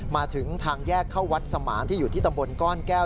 มาถึงทางแยกเข้าวัดสมานที่อยู่ที่ตำบลก้อนแก้ว